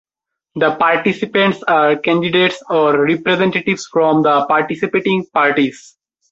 The participants are candidates or representatives from the participating parties.